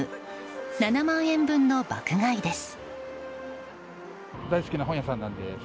７万円分の爆買いです。